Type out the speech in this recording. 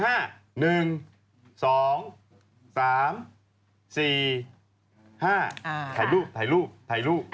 ถ่ายรูปถ่ายรูปถ่ายรูป